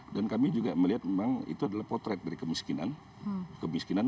dan kami juga melihat memang itu adalah potret dari kemiskinan